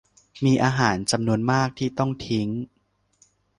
มีอาหารจำนวนมากที่ต้องทิ้ง